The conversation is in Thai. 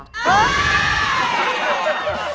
เฮ่ย